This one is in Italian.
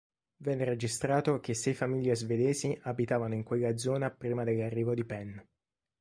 Venne registrato che sei famiglie svedesi abitavano in quella zona prima dell'arrivo di Penn.